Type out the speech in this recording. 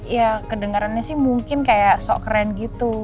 ya kedengarannya sih mungkin kayak so keren gitu